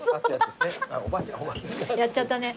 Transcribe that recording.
やっちゃったね。